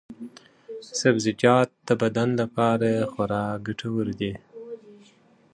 سبزیجات د بدن لپاره خورا ګټور دي.